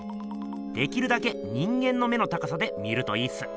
できるだけ人間の目の高さで見るといいっす。